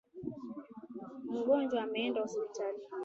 Mgonjwa ameenda hospitalini.